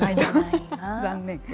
残念。